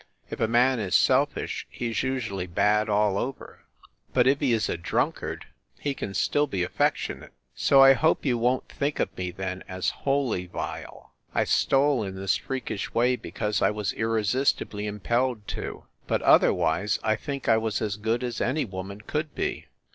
If a man is selfish, he s usually bad all over, but if he is a drunkard, he can still be affectionate. So, I hope you won t think of me then as wholly vile. I stole in this freakish way because I was irresistibly impelled to; but otherwise I think I was as good as any woman could be.